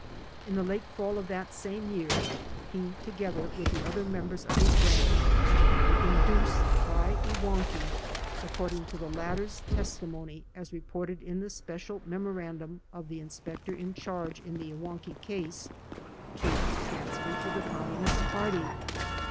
In the late Fall of that same year he, together with the other members of his branch, were induced by Iwankiw, according to the lat ter's testimony, as reported in the special memorandum of the Inspector in Charge in the Iwankiw case, to trans fer to the Communist Party.